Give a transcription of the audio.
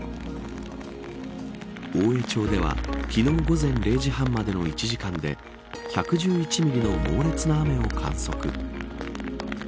大江町では昨日、午前０時半までの１時間で１１１ミリの猛烈な雨を観測。